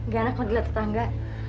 gimana kalau dilihat tetangga